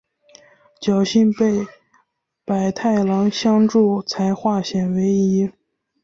侥幸被百太郎相助才化险为夷。